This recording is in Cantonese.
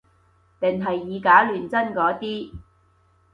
定係以假亂真嗰啲